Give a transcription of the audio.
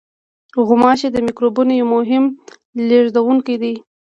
غوماشې د میکروبونو یو مهم لېږدوونکی دي.